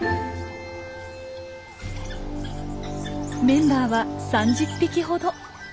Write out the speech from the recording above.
メンバーは３０匹ほど。